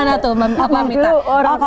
nah tapi kalau kemarin gimana tuh